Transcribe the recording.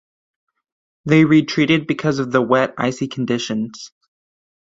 They retreated because of the wet icy conditions.